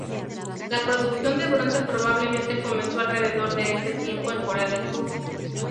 La producción de bronce probablemente comenzó alrededor de este tiempo en Corea del Sur.